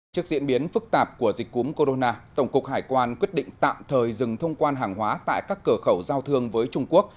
trước diễn biến phức tạp của dịch cúm corona tổng cục hải quan quyết định tạm thời dừng thông quan hàng hóa tại các cửa khẩu giao thương với trung quốc